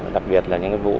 đặc biệt là những vụ